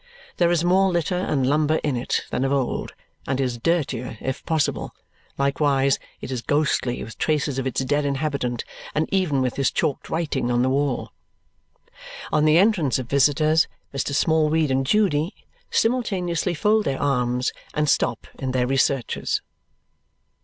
There is more litter and lumber in it than of old, and it is dirtier if possible; likewise, it is ghostly with traces of its dead inhabitant and even with his chalked writing on the wall. On the entrance of visitors, Mr. Smallweed and Judy simultaneously fold their arms and stop in their researches.